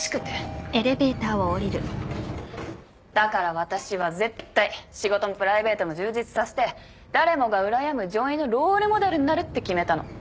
だから私は絶対仕事もプライベートも充実させて誰もがうらやむ女医のロールモデルになるって決めたの。